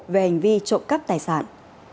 về hành vi trộm cắp tài sản